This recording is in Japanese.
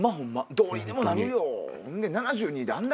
どうにでもなるよ。